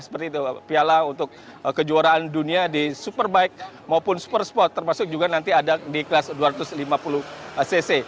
seperti itu piala untuk kejuaraan dunia di superbike maupun super sport termasuk juga nanti ada di kelas dua ratus lima puluh cc